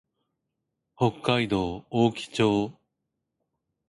北海道大樹町